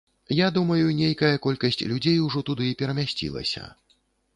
Я думаю, нейкая колькасць людзей ужо туды перамясцілася.